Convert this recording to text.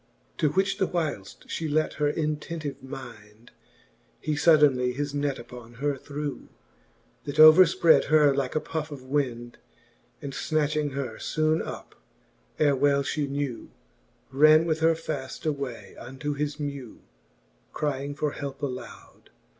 XIV. To which whileft: flie lent her intentive mind, He fuddenly his net upon her threw, That overfprad her like a puff of wind ; And fnatchlng her foone up, ere well flie knew, Ran with her faft: away unto his mew, Crying for helpe aloud.